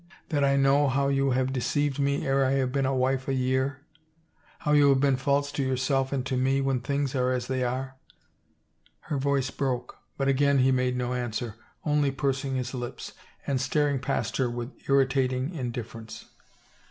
That I know how you have deceived me ere I have been a wife a year, how you have been false to yourself and to me when things are as they are —" her voice broke, but again he made no answer, only pursing his lips and staring past her with irritating indifference.